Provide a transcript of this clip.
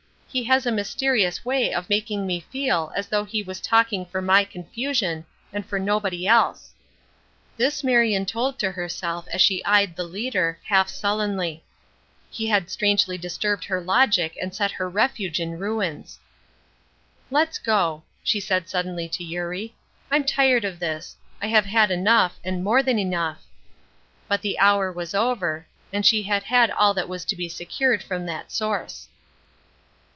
He has a mysterious way of making me feel as though he was talking for my confusion and for nobody else." This Marion told to herself as she eyed the leader, half sullenly. He had strangely disturbed her logic and set her refuge in ruins. "Let's go," she said suddenly to Eurie. "I am tired of this; I have had enough, and more than enough." But the hour was over, and she had had all that was to be secured from that source.